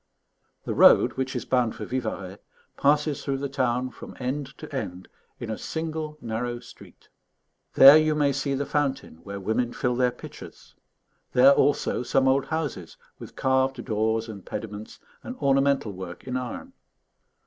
The road, which is bound for Vivarais, passes through the town from end to end in a single narrow street; there you may see the fountain where women fill their pitchers; there also some old houses with carved doors and pediments and ornamental work in iron.